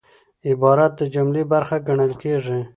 عبارت د جملې برخه ګڼل کېږي.